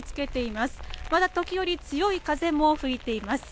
まだ時折強い風も吹いています。